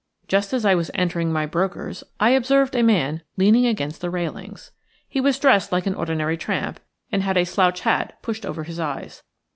Just as I was entering my broker's I observed a man leaning against the railings. He was dressed like an ordinary tramp, and had a slouch hat pushed over his eyes.